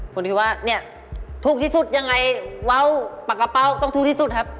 ผมคิดว่าเนี่ยถูกที่สุดยังไงว้าวปากกระเป๋าต้องถูกที่สุดครับ